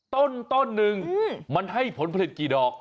ต้น๑มันให้ผลผลิตกี่ดอก